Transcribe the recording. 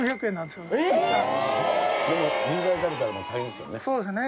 でも銀座で食べたらもう大変ですよね。